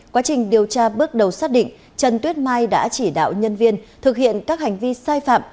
quá trình điều tra bước đầu xác định trần tuyết mai đã chỉ đạo nhân viên thực hiện các hành vi sai phạm